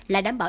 là đảm bảo